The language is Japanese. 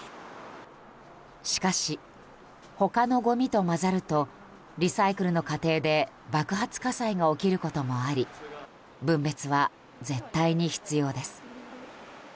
しかし、他のごみと混ざるとリサイクルの過程で爆発火災が起きることもあり分別は絶対に必要です。